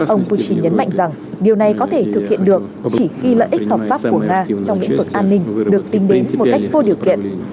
ông putin nhấn mạnh rằng điều này có thể thực hiện được chỉ khi lợi ích hợp pháp của nga trong lĩnh vực an ninh được tính đến một cách vô điều kiện